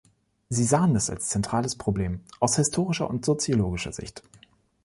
Sie sahen es als zentrales Problem, aus historischer und soziologischer Sicht.